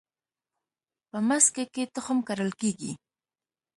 په مځکه کې تخم کرل کیږي